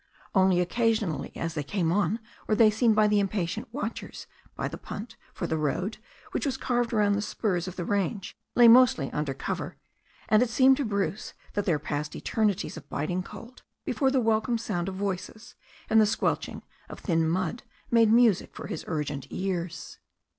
Only occasionally as they came on were they seen by the impatient watchers by the punt, for the road, which was carved round the spurs of the range, lay mostly under cover, and it seemed to Bruce that there passed eter nities of biting cold before the welcome sound of voices and the squelching of thin mud made music for his urgent ears.